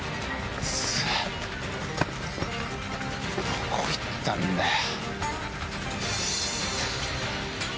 どこ行ったんだよ？